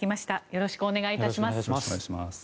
よろしくお願いします。